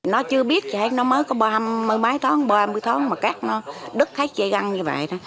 nó chưa biết nó mới có ba mươi bốn mươi tháng ba mươi tháng mà cắt nó đứt khách dây găng như vậy